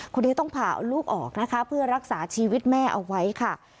คนนี้ต้องพาลูกออกเพื่อรักษาชีวิตแม่เอาไว้ค่ะ